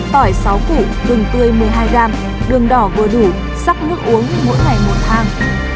tỏi sáu củ rừng tươi một mươi hai gram đường đỏ vừa đủ sắc nước uống mỗi ngày một thang